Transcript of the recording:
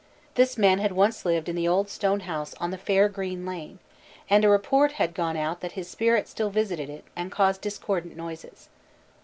This man had once lived in the old stone house on the 'faire greene lane,' and a report had gone out that his spirit still visited it, and caused discordant noises.